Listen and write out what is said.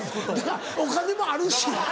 お金もあるし！